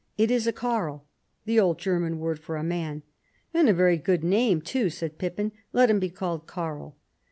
It is a Carl," the old German word for a man. " And a very good name, too," said Pi]»pin. ''Lot him be called Carl."